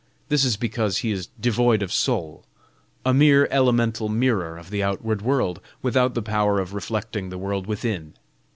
This is because he is devoid of soul, a mere elemental mirror of the outward world, without the power of reflecting the world within.